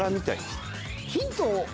ヒントを。